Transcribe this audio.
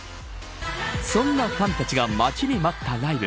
そんなファンたちが待ちに待ったライブ。